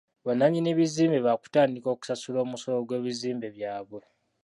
Bannannyini bizimbe baakutandika okusasula omusolo gw'ebizimbe byabwe.